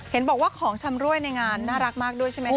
เห็นบอกว่าของชำรวยในงานน่ารักมากด้วยใช่ไหมคะ